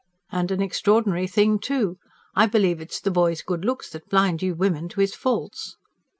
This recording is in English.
"And an extraordinary thing, too! I believe it's the boy's good looks that blind you women to his faults."